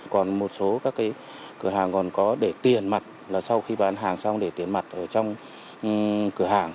còn một số các cái cửa hàng còn có để tiền mặt là sau khi bán hàng xong để tiền mặt ở trong cửa hàng